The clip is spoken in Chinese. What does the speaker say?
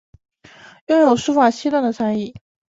拥有书法七段的才艺。